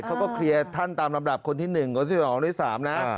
เขาก็เคลียร์ท่านตามลำดับคนที่๑คนที่๒ที่๓นะ